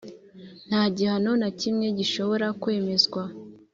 Nta gihano na kimwe gishobora kwemezwa